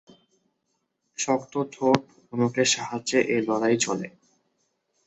শক্ত ঠোঁট ও নখের সাহায্যে এ লড়াই চলে।